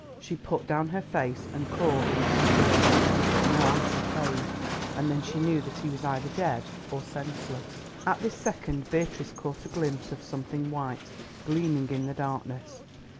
She put down her face and called into his ear, but no answer came, and then she knew that he was either dead or senseless. At this second Beatrice caught a glimpse of something white gleaming in the darkness.